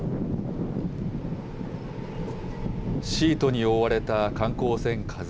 シートに覆われた観光船ＫＡＺＵＩ。